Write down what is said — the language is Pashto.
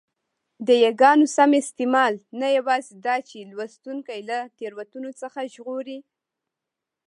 د یاګانو سم استعمال نه یوازي داچي لوستوونکی له تېروتنو څخه ژغوري؛